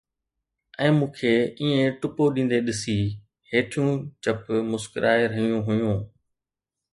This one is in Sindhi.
۽ مون کي ائين ٽپو ڏيندي ڏسي، هيٺيون چپ مسڪرائي رهيون هيون